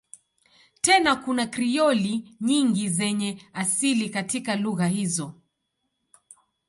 Tena kuna Krioli nyingi zenye asili katika lugha hizo.